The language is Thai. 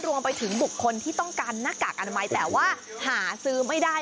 รวมไปถึงบุคคลที่ต้องการหน้ากากอนามัยแต่ว่าหาซื้อไม่ได้